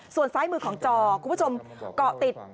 ส่วนซ้ายมือของจอคุณผู้ชมเกาะติด